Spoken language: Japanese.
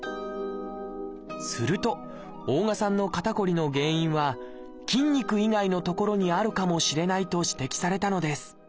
すると大我さんの肩こりの原因は筋肉以外の所にあるかもしれないと指摘されたのです